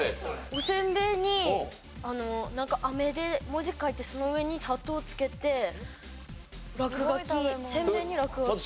おせんべいに飴で文字書いてその上に砂糖つけて落書きせんべいに落書き。